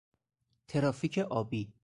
ترافیک آبی